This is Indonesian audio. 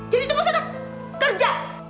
jadi tepuk sana kerja